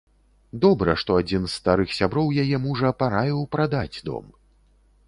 Добра, што адзін з старых сяброў яе мужа параіў прадаць дом.